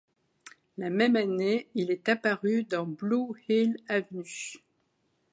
La même année, il est apparu dans Blue Hill Avenue.